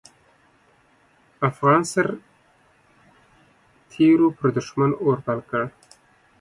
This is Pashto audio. افغان سررتېرو پر دوښمن اور بل کړ.